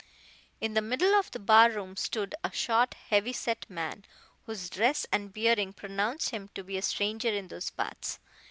In the middle of the bar room stood a short heavy set man, whose dress and bearing pronounced him to be a stranger in those parts.